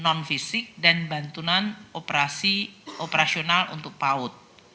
non fisik dan bantuan operasional untuk paut